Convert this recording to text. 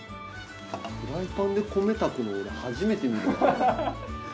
フライパンで米炊くの俺初めて見る。